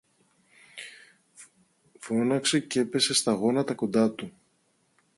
φώναξε, κι έπεσε στα γόνατα κοντά του.